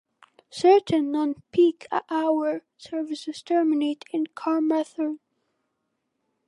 Certain non peak hour services terminate in Carmarthen.